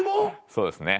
そうですね。